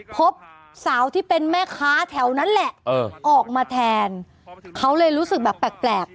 พบสาวที่เป็นแม่ค้าแถวนั้นแหละออกมาแทนเขาเลยรู้สึกแบบแปลก